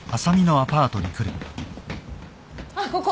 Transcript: あっここ。